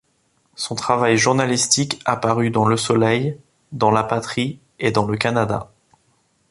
Son travail journalistique apparu dans Le Soleil, dans La Patrie et dans Le Canada.